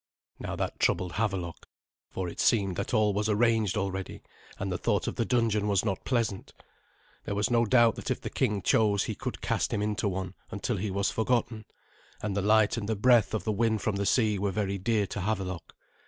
Now that troubled Havelok, for it seemed that all was arranged already, and the thought of the dungeon was not pleasant. There was no doubt that if the king chose he could cast him into one until he was forgotten; and the light and the breath of the wind from the sea were very dear to Havelok.